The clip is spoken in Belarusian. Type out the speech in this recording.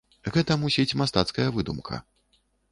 Гэта, мусіць, мастацкая выдумка.